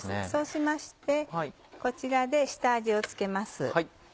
そうしましてこちらで下味を付けます。